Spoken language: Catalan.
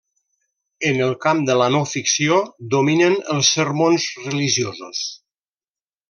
En el camp de la no ficció, dominen els sermons religiosos.